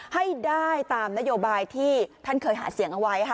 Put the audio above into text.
ให้ได้ตามนโยบายที่ท่านเคยหาเสียงเอาไว้ค่ะ